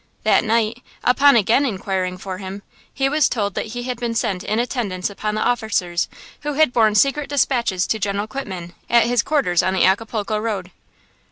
That night, upon again inquiring for him, he was told that he had been sent in attendance upon the officers who had borne secret despatches to General Quitman, at his quarters on the Acapulco road.